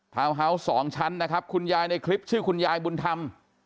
เฮาวส์๒ชั้นนะครับคุณยายในคลิปชื่อคุณยายบุญธรรม